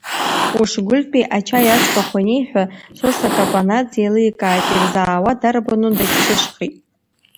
Ушгәыльтәи ачаи аӡбахә аниҳәа, Сосо Капанаӡе еиликааит, ирзаауа дарбану, дагьцәышхеит.